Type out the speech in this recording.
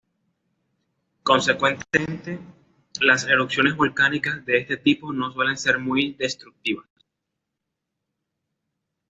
Consecuentemente, las erupciones volcánicas de este tipo no suelen ser muy destructivas.